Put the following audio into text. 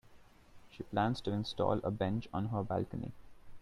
She plans to install a bench on her balcony.